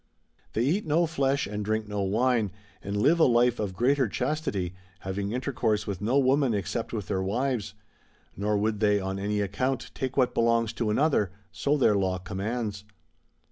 ] They eat no flesh, and drink no wine, and live a life of great chastity, having intercourse with no women except with their wives ; nor would they on any account take what belongs to another ; so their law commands.